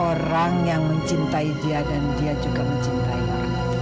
orang yang mencintai dia dan dia juga mencintai orang